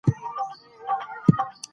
ټکنالوژي معلوماتو ته لاسرسی زیاتوي.